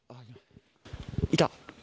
いた！